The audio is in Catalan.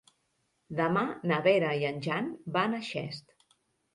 Demà na Vera i en Jan van a Xest.